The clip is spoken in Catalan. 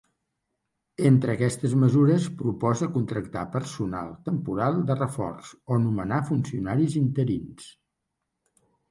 Entre aquestes mesures, proposa contractar personal temporal de reforç o nomenar funcionaris interins.